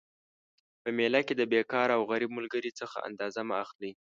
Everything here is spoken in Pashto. په میله کي د بیکاره او غریب ملګري څخه انداز مه اخلئ